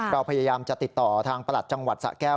เราพยายามจะติดต่อทางประหลัดจังหวัดสะแก้ว